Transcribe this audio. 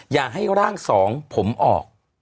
อย่าให้ร่างสองผมออก